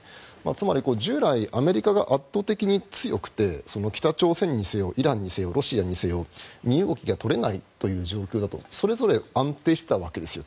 つまり、従来アメリカが圧倒的に強くて北朝鮮にせよ、イランにせよロシアにせよ身動きが取れない状況だとそれぞれ安定していたわけですよ。